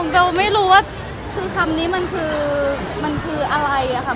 เบลไม่รู้ว่าคำนี้มันคืออะไร